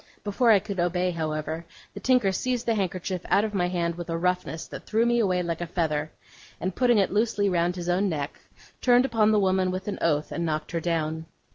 Before I could obey, however, the tinker seized the handkerchief out of my hand with a roughness that threw me away like a feather, and putting it loosely round his own neck, turned upon the woman with an oath, and knocked her down.